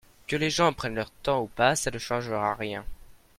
Que les gens prennent leur temps ou pas ça ne changera rien.